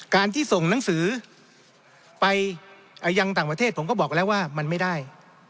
การที่ส่งหนังสือไปยังต่างประเทศผมก็บอกแล้วว่ามันไม่ได้